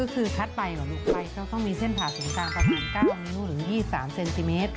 คือคัดไปเหรอลูกไข้เขาต้องมีเส้นผาสินตามต่างต่าง๙นิ้วถึง๒๓เซนติเมตร